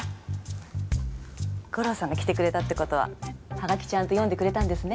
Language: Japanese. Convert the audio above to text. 五郎さんが来てくれたってことはハガキちゃんと読んでくれたんですね。